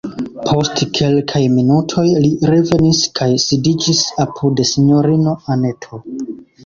Post kelkaj minutoj li revenis kaj sidiĝis apud sinjorino Anneto.